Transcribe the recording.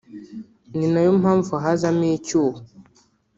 ni nayo mpamvu hazamo icyuho